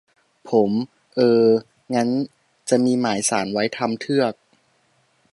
ผม : เอ่อ งั้นจะมีหมายศาลไว้ทำเทือก